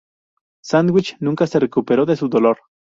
Sandwich nunca se recuperó de su dolor.